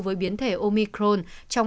với biến thể omicron